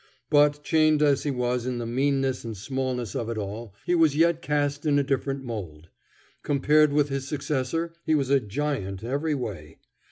But, chained as he was in the meanness and smallness of it all, he was yet cast in a different mould. Compared with his successor, he was a giant every way.